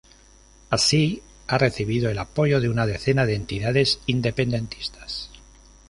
Así, ha recibido el apoyo de una decena de entidades independentistas.